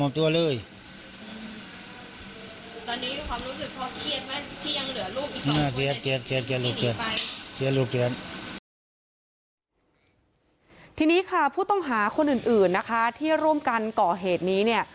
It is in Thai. ทีนี้ค่ะผู้ต้องหาคนอื่นนะคะที่ร่วมกันก่อเหตุนี้เนี่ย